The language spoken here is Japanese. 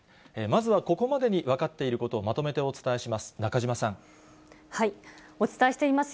まずはここまでに分かっていることをまとめてお伝えします。